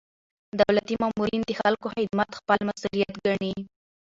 دولتي مامورین د خلکو خدمت خپل مسؤلیت ګڼي.